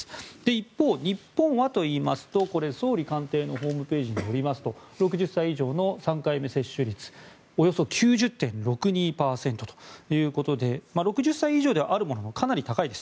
一方、日本はといいますとこれは総理官邸のホームページによりますと６０歳以上の３回目接種率およそ９０．６２％ということで６０歳以上ではあるもののかなり高いです。